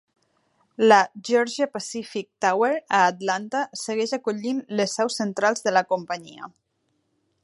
La Georgia-Pacific Tower a Atlanta segueix acollint les seus centrals de la companyia.